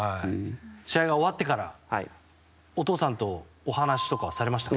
試合が終わってからお父さんとお話ししましたか？